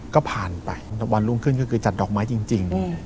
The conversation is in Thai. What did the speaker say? ก็ผ่านไปวันรุ่งขึ้นก็คือจัดดอกไม้จริง